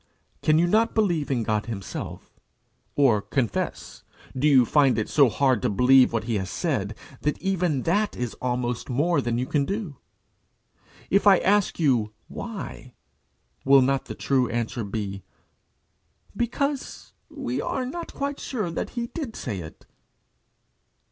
Can you not believe in God himself? Or, confess, do you not find it so hard to believe what he has said, that even that is almost more than you can do? If I ask you why, will not the true answer be "Because we are not quite sure that he did say it"?